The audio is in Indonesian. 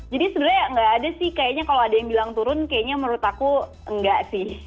jadi sebenernya nggak ada sih kayaknya kalau ada yang bilang turun kayaknya menurut aku nggak sih